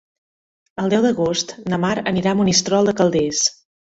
El deu d'agost na Mar anirà a Monistrol de Calders.